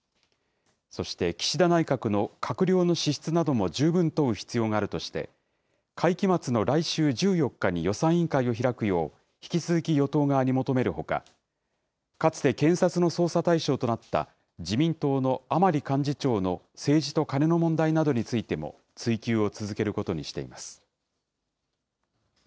そして、岸田内閣の閣僚の資質なども十分問う必要があるとして、会期末の来週１４日に予算委員会を開くよう、引き続き与党側に求めるほか、かつて検察の捜査対象となった、自民党の甘利幹事長の政治とカネの問題などについても追及を続けることにしています。